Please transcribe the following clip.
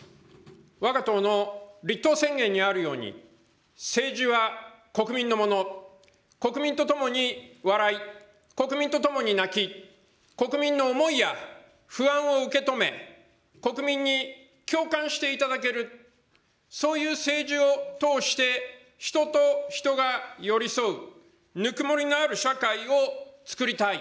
わが党の立党宣言にあるように、政治は国民のもの、国民と共に笑い、国民とともに泣き、国民の思いや不安を受け止め、国民に共感していただける、そういう政治を通して、人と人が寄り添う、ぬくもりのある社会をつくりたい。